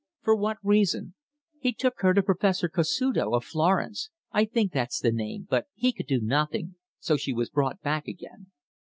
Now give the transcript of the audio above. "For what reason?" "He took her to Professor Casuto, of Florence I think that's the name but he could do nothing, so she was brought back again."